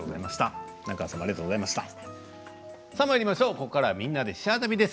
ここからは「みんなでシェア旅」です。